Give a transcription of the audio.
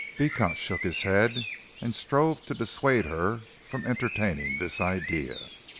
Beecot shook his head and strove to dissuade her from entertaining this idea.